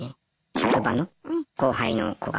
職場の後輩の子が。